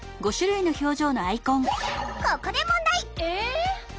ここで問題！え！？